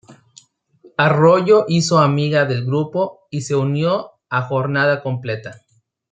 Arroyo hizo amiga del grupo y se unió a jornada completa.